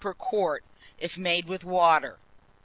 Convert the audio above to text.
per quart, if made with water.